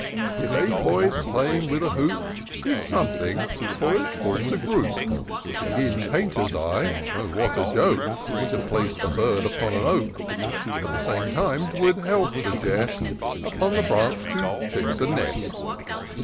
If a boy's playing with a hoop, 'Tis something, for it forms a group. IN SEARCH OF THE PICTURESQUE. 153 In painters' eyes — Oh, what a joke^ To place a bird upon an oak ! At the same time, 'twould help the jest. Upon the branch to fix a nest.